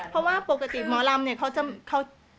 เพราะว่าปกติหมอร่ำเนี้ยเขาจะ